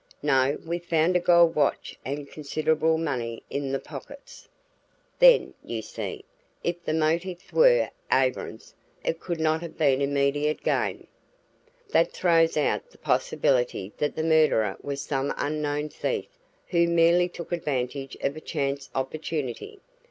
"No, we found a gold watch and considerable money in the pockets." "Then, you see, if the motive were avarice, it could not have been immediate gain. That throws out the possibility that the murderer was some unknown thief who merely took advantage of a chance opportunity.